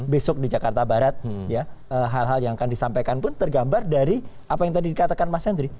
besok di jakarta barat ya hal hal yang akan disampaikan pun tergambar dari apa yang tadi dikatakan mas hendry